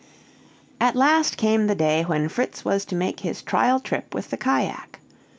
At last came the day when Fritz was to make his trial trip with the cajack.